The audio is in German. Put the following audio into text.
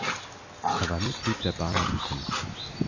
Er war Mitglied der Barnabiten.